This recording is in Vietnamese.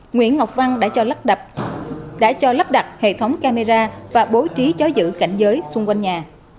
nguyễn ngọc văn đã cho lắp đặt hệ thống camera và bố trí chó giữ cảnh giới xung quanh nhà